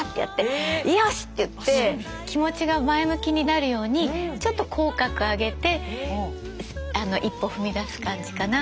気持ちが前向きになるようにちょっと口角上げてあの一歩踏み出す感じかな。